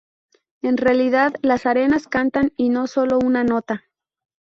En realidad, las arenas cantan, y no sólo una nota.